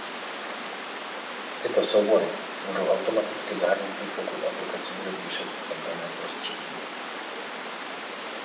Tyto soubory budou automaticky zahrnuty pokud aplikace bude běžet v tom daném prostředí.